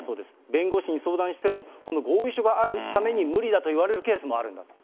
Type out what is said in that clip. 弁護士に相談しても、この合意書があるために無理だといわれるケースもあるんだと。